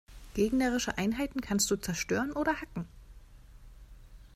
Gegnerische Einheiten kannst du zerstören oder hacken.